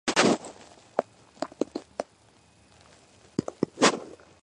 კლერმონის გრაფი და ბურბონის ჰერცოგი.